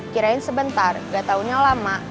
kirain sebentar gak taunya lama